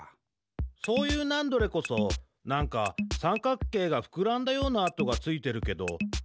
そういうナンドレこそなんかさんかくけいがふくらんだような跡がついてるけどどうしたの？